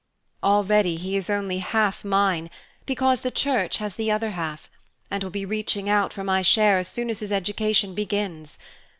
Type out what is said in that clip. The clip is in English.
Already he is only half mine, because the Church has the other half, and will be reaching out for my share as soon as his education begins.